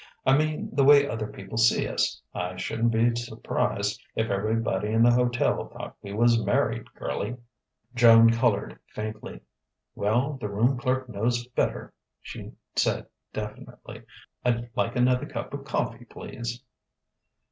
"I mean, the way other people see us. I shouldn't be surprised if everybody in the hotel thought we was married, girlie." Joan coloured faintly.... "Well, the room clerk knows better," she said definitely. "I'd like another cup of coffee, please."